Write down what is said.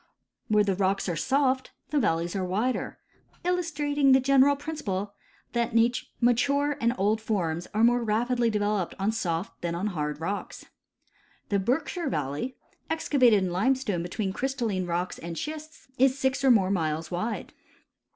Where the rocks are soft, the valleys are wider ; illustrating the general principle that mature and old forms are more rapidly developed on soft than on hard rocks. The Berkshire valley, excavated in limestone between crystalline rocks and schists, is six or more miles wide.